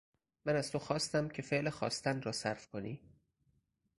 من از تو خواستم که فعل خواستن را صرف کنی